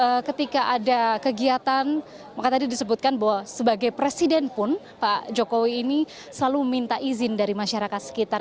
karena ketika ada kegiatan maka tadi disebutkan bahwa sebagai presiden pun pak jokowi ini selalu minta izin dari masyarakat sekitar